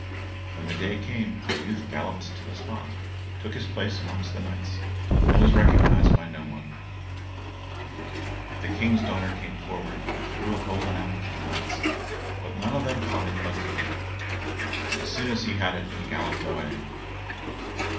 When the day came, the youth galloped to the spot, took his place amongst the knights, and was recognized by no one. The King's daughter came forward, and threw a golden apple to the knights, but none of them caught it but he, only as soon as he had it he galloped away.